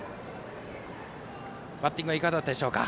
バッティングはいかがだったでしょうか。